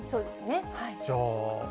じゃあ。